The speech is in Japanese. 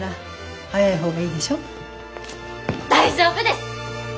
大丈夫です！